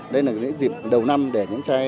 đây là lễ dịp đầu năm để những trai